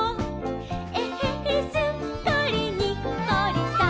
「えへへすっかりにっこりさん！」